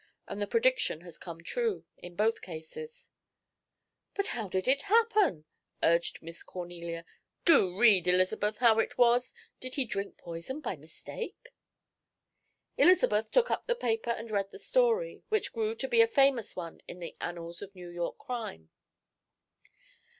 And the prediction has come true in both cases." "But how did it happen?" urged Miss Cornelia. "Do read, Elizabeth, how it was. Did he drink poison by mistake?" Elizabeth took up the paper and read the story, which grew to be a famous one in the annals of New York crime.